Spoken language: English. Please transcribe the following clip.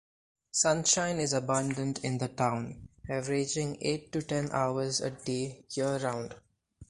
Sunshine is abundant in the town, averaging eight to ten hours a day year-round.